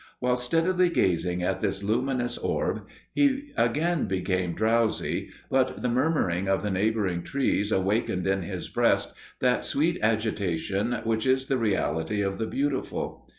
While steadily gazing at this luminous orb, he again became drowsy, but the murmuring of the neighbouring trees awakened in his breast that sweet agitation which is the reality of the beautiful.